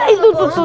itu tuh tuh